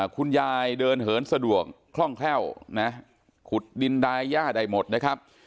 คุณยายเดินเหินสะดวกคล่องแคล่วนะขุดดินดายย่าได้หมดนะครับ